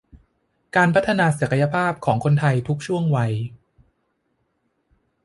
การพัฒนาศักยภาพของคนไทยทุกช่วงวัย